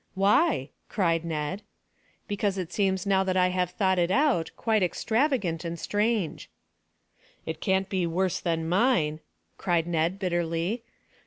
"Why?" cried Ned. "Because it seems now that I have thought it out quite extravagant and strange." "It can't be worse than mine," cried Ned bitterly.